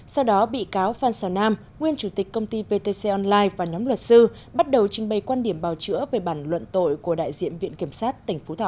sau đó bị cáo phan xào nam nguyên chủ tịch công ty vtc online và nhóm luật sư bắt đầu trình bày quan điểm bào chữa về bản luận tội của đại diện viện kiểm sát tỉnh phú thọ